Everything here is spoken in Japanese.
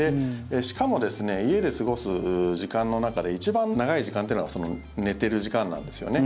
しかも、家で過ごす時間の中で一番長い時間というのは寝ている時間なんですよね。